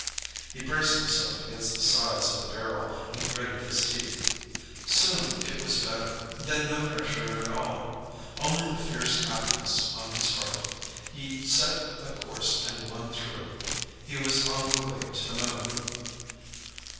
_ He braced himself against the sides of the barrel, and gritted his teeth. Soon it was better. Then no pressure at all. Only the fierce happiness on his heart. He'd set a course and won through! He was on the way to the Moon!